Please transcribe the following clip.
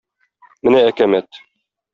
Менә әкәмәт.